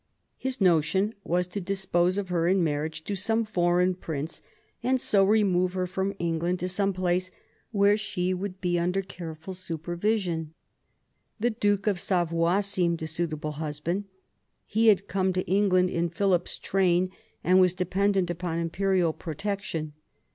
His notion was to dispose of her in marriage to some foreign prince, and so remove her from England to some place where she would be under careful supervision. The Duke of Savoy seemed a suitable husband. He had come to England in Philip's train and was dependent upon imperial protection.